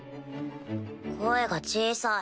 声が小さい。